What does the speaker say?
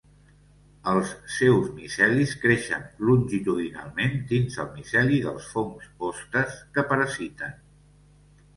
Els seus micelis creixen longitudinalment dins el miceli dels fongs hostes que parasiten.